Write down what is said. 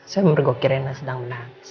saya memergoki rena sedang menangis